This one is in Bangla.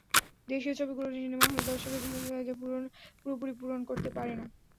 দেশীয় ছবিগুলো সিনেমা হলে দর্শকের যথাযথ চাহিদা পুরোপুরি পূরণ করতে পারে না।